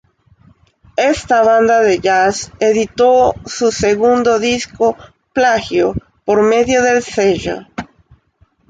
Esta banda de jazz editó su segundo disco "Plagio" por medio del sello.